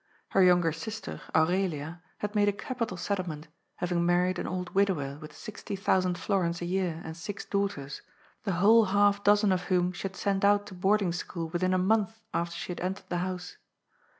Her younger sister, Aurelia, had made a capital settlement, hav ing married an old widower with sixty thousand florins a year and six daughters, the whole half dozen of whom she had sent out to boarding school within a month after she had entered the house.